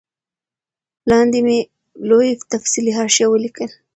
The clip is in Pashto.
لاندي مي لوی تفصیلي حاشیه ولیکل